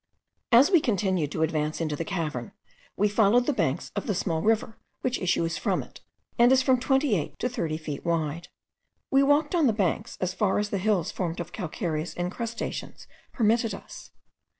As we continued to advance into the cavern, we followed the banks of the small river which issues from it, and is from twenty eight to thirty feet wide. We walked on the banks, as far as the hills formed of calcareous incrustations permitted us.